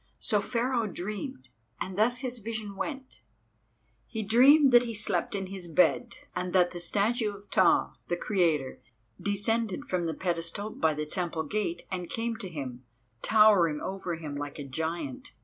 So Pharaoh dreamed, and thus his vision went:— He dreamed that he slept in his bed, and that the statue of Ptah, the Creator, descended from the pedestal by the temple gate and came to him, towering over him like a giant.